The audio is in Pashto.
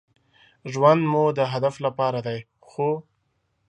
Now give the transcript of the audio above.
ژوند مو د هدف لپاره دی ،خو